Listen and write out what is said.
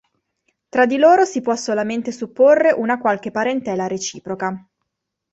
Tra di loro si può solamente supporre una qualche parentela reciproca.